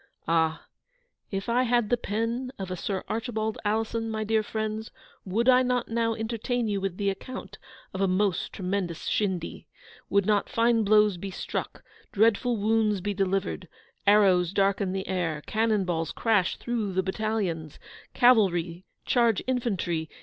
Ah! if I had the pen of a Sir Archibald Alison, my dear friends, would I not now entertain you with the account of a most tremendous shindy? Should not fine blows be struck? dreadful wounds be delivered? arrows darken the air? cannon balls crash through the battalions? cavalry charge infantry?